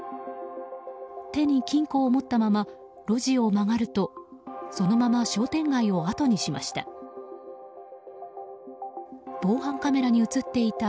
手に金庫を持ったまま路地を曲がるとそのまま商店街をあとにしました。